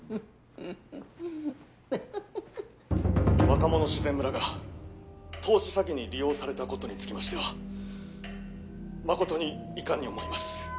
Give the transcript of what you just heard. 若者自然村が投資詐欺に利用されたことにつきましてはまことに遺憾に思います。